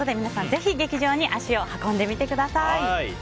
ぜひ劇場に足を運んでみてください。